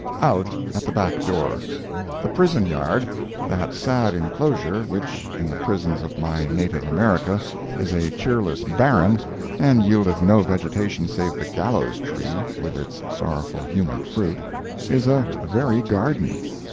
OUT AT THE BACK DOOR The prison yard—that sad inclosure which, in the prisons of my native America, is a cheerless barren and yieldeth no vegetation save the gallows tree, with its sorrowful human fruit—is a very garden!